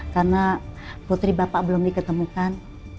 karena putri bapak belum diketemukan